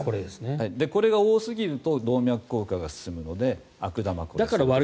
これが多すぎると動脈硬化が進むので悪玉コレステロール。